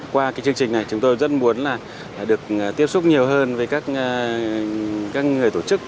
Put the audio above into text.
qua cái chương trình này chúng tôi rất muốn là được tiếp xúc nhiều hơn với các người tổ chức